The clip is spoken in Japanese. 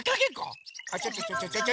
あっちょちょちょちょ。